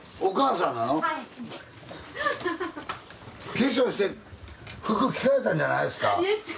化粧して服着替えたんじゃないですか？